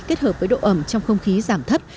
kết hợp với độ ẩm trong không khí giảm thấp